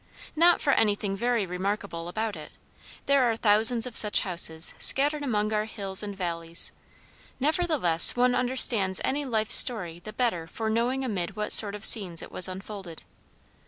Not for anything very remarkable about it; there are thousands of such houses scattered among our hills and valleys; nevertheless one understands any life story the better for knowing amid what sort of scenes it was unfolded.